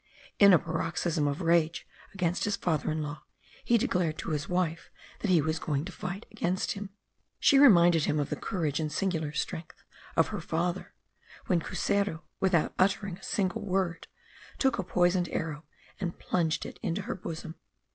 In a paroxysm of rage against his father in law, he declared to his wife that he was going to fight against him. She reminded him of the courage and singular strength of her father; when Cuseru, without uttering a single word, took a poisoned arrow, and plunged it into her bosom.